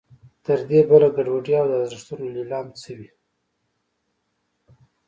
تر دې بله ګډوډي او د ارزښتونو نېلام څه وي.